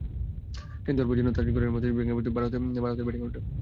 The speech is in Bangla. কিন্তু এরপর যেন তাসের ঘরের মতো ভেঙে পড়ে ভারতের ব্যাটিং অর্ডার।